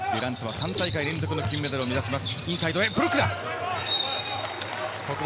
３大会連続の金メダルを目指します。